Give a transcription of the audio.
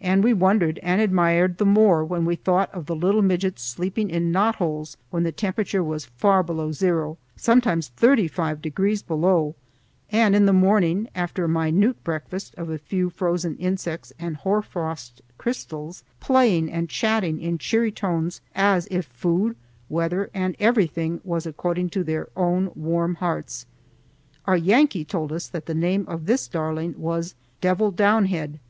And we wondered and admired the more when we thought of the little midgets sleeping in knot holes when the temperature was far below zero, sometimes thirty five degrees below, and in the morning, after a minute breakfast of a few frozen insects and hoarfrost crystals, playing and chatting in cheery tones as if food, weather, and everything was according to their own warm hearts. Our Yankee told us that the name of this darling was Devil downhead.